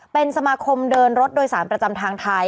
เป็นสมาคมเดินรถโดยสารประจำทางไทย